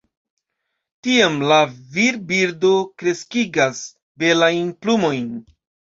Tiam la virbirdo kreskigas belajn plumojn.